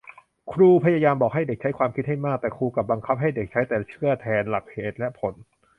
ครูพยายามบอกให้เด็กใช้ความคิดให้มาก แต่ครูกลับบังคับให้เด็กใช้แต่เชื่อแทนหลักเหตุและผล